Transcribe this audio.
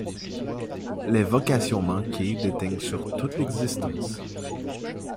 Les vocations manquées déteignent sur toute l’existence.